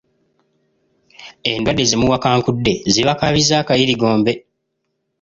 Endwadde zemuwakankudde zibakaabizza akayirigombe.